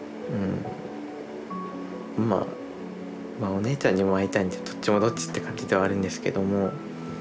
お姉ちゃんにも会いたいのでどっちもどっちって感じではあるんですけども。